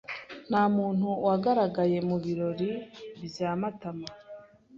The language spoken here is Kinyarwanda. Ntamuntu wagaragaye mubirori bya Matama.